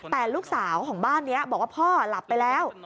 แต่ลูกสาวของบ้านนี้บอกว่าพ่อหลับไปแล้ว